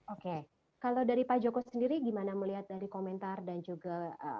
oke kalau dari pak joko sendiri gimana melihat dari komentar dan juga